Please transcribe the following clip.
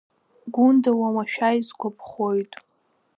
Гәында уамашәа исгәаԥхоит.